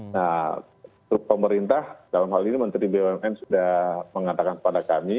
nah pemerintah dalam hal ini menteri bumn sudah mengatakan kepada kami